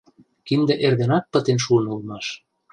Кинде эрденак пытен шуын улмаш.